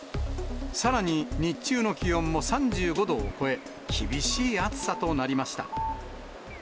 さらに日中の気温も３５度を超え、厳しい暑さとなりました。